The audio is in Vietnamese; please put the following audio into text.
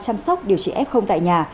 chăm sóc điều trị f tại nhà